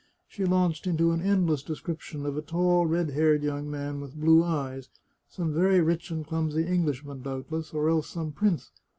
She launched into an endless description of a tall red haired young man with blue eyes, some very rich and clumsy Englishman, doubtless, or else some prince.